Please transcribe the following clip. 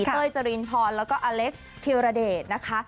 เต้ยเจรียนพรและอเล็กซ์ธิวรเดชนะคะ